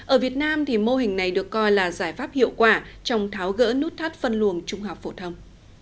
ở việt nam thì mô hình này được coi là giải pháp hiệu quả trong tháo gỡ nút thắt phân luồng trung học phổ thông